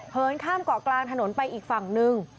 เดินข้ามเกาะกลางถนนไปอีกฝั่งนึง